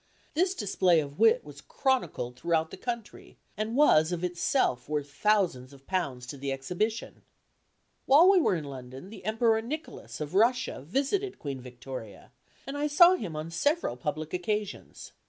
This display of wit was chronicled throughout the country, and was of itself worth thousands of pounds to the exhibition. While we were in London the Emperor Nicholas, of Russia, visited Queen Victoria, and I saw him on several public occasions.